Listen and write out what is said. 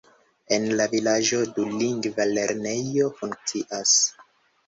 En la vilaĝo dulingva lernejo funkcias.